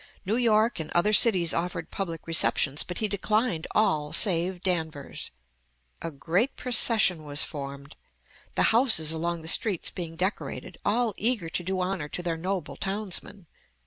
New York and other cities offered public receptions; but he declined all save Danvers. A great procession was formed, the houses along the streets being decorated, all eager to do honor to their noble townsman.